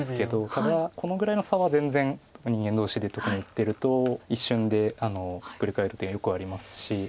ただこのぐらいの差は全然人間同士で特に打ってると一瞬でひっくり返るってよくありますし。